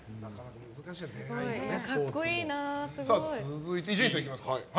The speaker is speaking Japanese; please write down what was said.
続いて、伊集院さんいきますか。